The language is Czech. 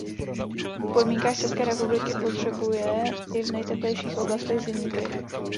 V podmínkách České republiky potřebuje i v nejteplejších oblastech zimní kryt.